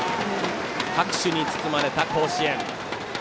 拍手に包まれた甲子園。